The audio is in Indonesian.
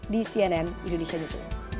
di cnn indonesia news